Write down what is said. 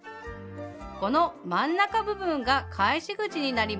この真ん中部分が返し口になります。